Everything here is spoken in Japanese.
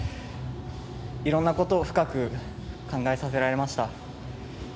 いろんなことを深く考えさせられました。